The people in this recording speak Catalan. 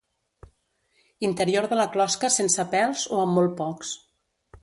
Interior de la closca sense pèls o amb molt pocs.